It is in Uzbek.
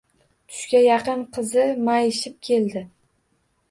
Tushga yaqin qizi mayishib keldi.